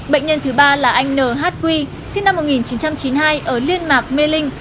bệnh nhân thứ ba là anh n h q sinh năm một nghìn chín trăm chín mươi hai ở liên mạc mê linh